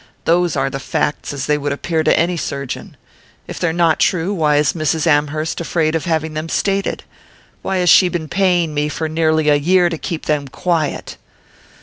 Those are the facts as they would appear to any surgeon. If they're not true, why is Mrs. Amherst afraid of having them stated? Why has she been paying me for nearly a year to keep them quiet?"